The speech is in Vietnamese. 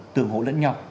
tương hố lẫn nhau